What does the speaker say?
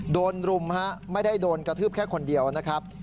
รุมฮะไม่ได้โดนกระทืบแค่คนเดียวนะครับ